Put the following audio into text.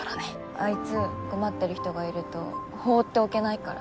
あいつ困ってる人がいると放っておけないから。